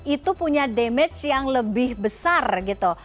itu punya damage yang lebih besar gitu